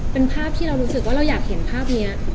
เป็นภาพที่เรารู้สึกว่าเราอยากเห็นภาพนี้